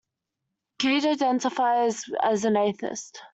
Cage identifies as an atheist.